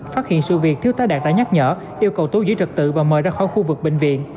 phát hiện sự việc thiếu tá đạt đã nhắc nhở yêu cầu tú giữ trật tự và mời ra khỏi khu vực bệnh viện